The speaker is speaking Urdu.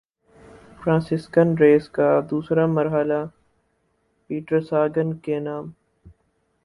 فرانسسائیکل ریس کا دوسرا مرحلہ پیٹرساگان کے نام